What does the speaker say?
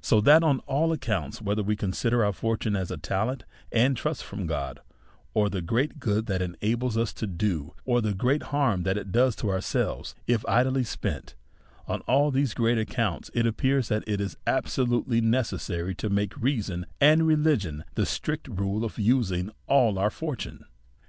So that, on a!i accounts, whether we consider our fortune as a talent and trust from God, or the great good tliat it enables us to do, or the great harm that it does to ourselves, if idly spent; on all these great ac counts, it appears that it is absolutely necessary to make reason and religion the strict rule of using all our fortune.